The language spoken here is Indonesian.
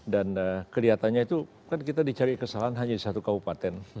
dan kelihatannya itu kan kita dicari kesalahan hanya di satu kabupaten